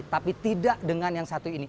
tapi tidak dengan yang satu ini